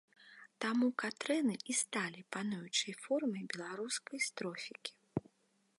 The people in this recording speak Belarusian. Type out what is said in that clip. Таму катрэны і сталі пануючай формай беларускай строфікі.